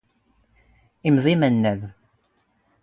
ⵉⵎⵥⵥⵉⵢ ⵎⴰⵏⵏⴰⴷ.